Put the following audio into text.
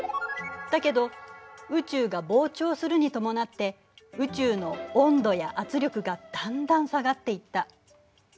だけど宇宙が膨張するに伴って宇宙の温度や圧力がだんだん下がっていった。